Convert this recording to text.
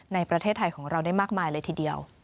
ในประเทศไทยของเราได้มากมายเลยทีเดียว